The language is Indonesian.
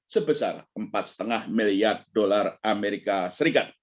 sebesar empat lima miliar dolar as